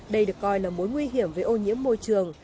đây được coi là mối nguy hiểm về ô nhiễm môi trường